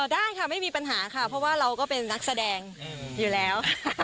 ได้ค่ะไม่มีปัญหาค่ะเพราะว่าเราก็เป็นนักแสดงอยู่แล้ว